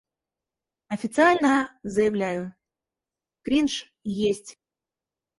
Официально заявляю, кринж есть!